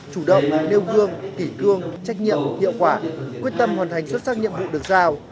chủ động nêu gương kỷ cương trách nhiệm hiệu quả quyết tâm hoàn thành xuất sắc nhiệm vụ được giao